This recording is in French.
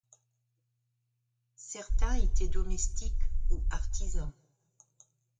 Certains étaient domestiques ou artisans.